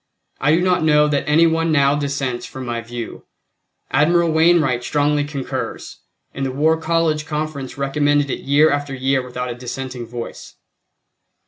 I do not know that any one now dissents from my view. Admiral Wainwright strongly concurs, and the War College Conference recommended it year after year without a dissenting voice.